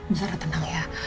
bu sarah tenang ya